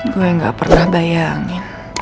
gue gak pernah bayangin